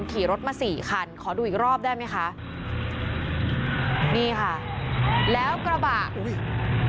ขี่รถมาสี่คันขอดูอีกรอบได้ไหมคะนี่ค่ะแล้วกระบะอุ้ย